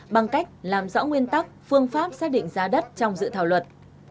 bằng cách làm rõ nguyên tắc phương pháp xác định giá đất trong dự thảo luật